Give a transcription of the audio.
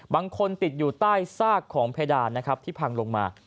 บางคนติดอยู่ใต้ซากของเพดานที่พังลงมา